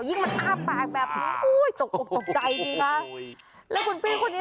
ยิ่งมันอ้าปากแบบนี่